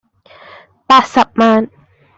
八十萬